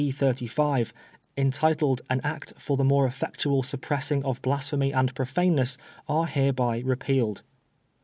35, intituled an Act for the more effectual suppressing of blas phemy and profaneness are hereby repealed.